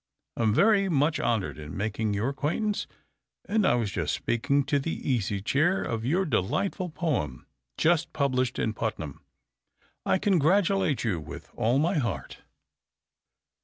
I am very much honored in making your acquaintance, and I was just speaking to the Easy Chair of your delightful poem just published in Putnam. I congratulate you with all my heart."